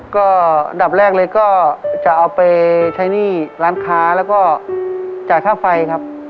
ก็ดับแรกเลยก็จะเอาไปใช้หนี้ร้านค้าแล้วก็จ่ายค่าไฟครับ